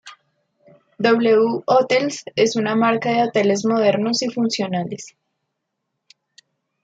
W Hotels es una marca de hoteles modernos y funcionales.